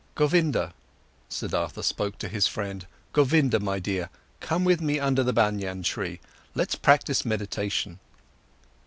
"Govinda," Siddhartha spoke to his friend, "Govinda, my dear, come with me under the Banyan tree, let's practise meditation."